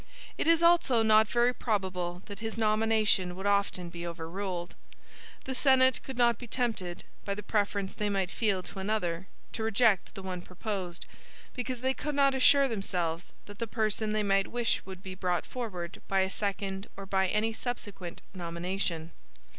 It is also not very probable that his nomination would often be overruled. The Senate could not be tempted, by the preference they might feel to another, to reject the one proposed; because they could not assure themselves, that the person they might wish would be brought forward by a second or by any subsequent nomination.